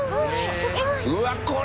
うわっこれ！